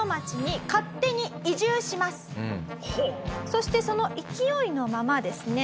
そしてその勢いのままですね